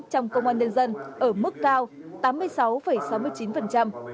trong công an nhân dân ở mức cao tám mươi sáu sáu mươi chín